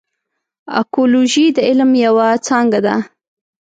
اکولوژي د علم یوه څانګه ده.